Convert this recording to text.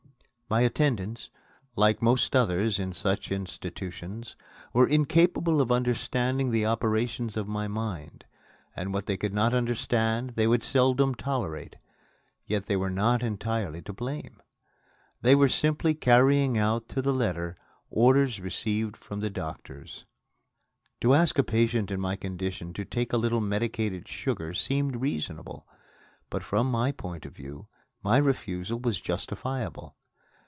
My attendants, like most others in such institutions, were incapable of understanding the operations of my mind, and what they could not understand they would seldom tolerate. Yet they were not entirely to blame. They were simply carrying out to the letter orders received from the doctors. To ask a patient in my condition to take a little medicated sugar seemed reasonable. But from my point of view my refusal was justifiable.